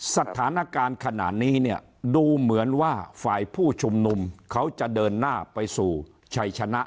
สถานการณ์ขนาดนี้เนี่ยดูเหมือนว่าฝ่ายผู้ชุมนุมเขาจะเดินหน้าไปสู่ชัยชนะ